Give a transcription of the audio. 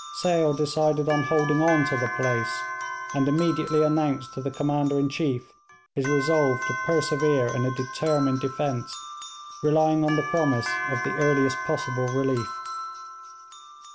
Sale decided on holding on to the place, and immediately announced to the Commander in Chief his resolve to persevere in a determined defence, relying on the promise of the earliest possible relief.